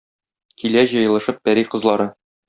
Килә җыелышып пәри кызлары.